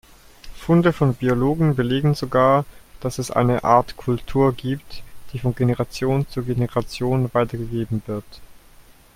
Funde von Biologen belegen sogar, dass es eine Art Kultur gibt, die von Generation zu Generation weitergegeben wird.